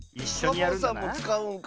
サボさんもつかうんか。